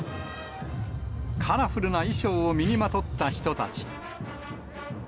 カラフルな衣装を身にまとった人たち。